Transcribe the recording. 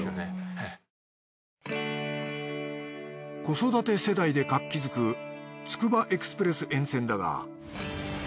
子育て世代で活気づくつくばエクスプレス沿線だが。